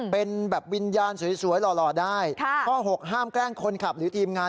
เป็นแบบวิญญาณสวยหล่อได้ข้อ๖ห้ามแกล้งคนขับหรือทีมงาน